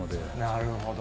なるほど。